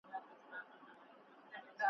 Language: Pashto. جنازې ته به یې ولي په سروسترګو ژړېدلای `